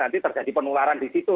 nanti terjadi penularan di situ